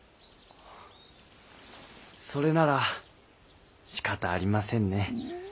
それならしかたありませんね。